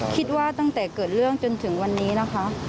คิดว่าตั้งแต่เกิดเรื่องจนถึงวันนี้นะคะ